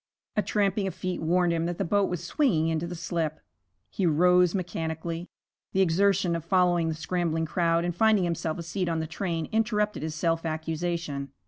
A tramping of feet warned him that the boat was swinging into the slip. He rose mechanically. The exertion of following the scrambling crowd and finding himself a seat on the train interrupted his self accusation.